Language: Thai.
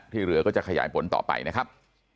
เหลือก็จะขยายผลต่อไปนะครับ